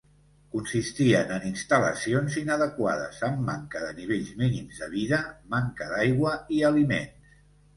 Consistien en instal·lacions inadequades amb manca de nivells mínims de vida; manca d'aigua i aliments.